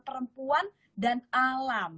perempuan dan alam